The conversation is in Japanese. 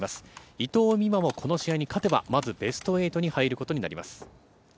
伊藤美誠もこの試合に勝てば、まずベスト８に入ることになります。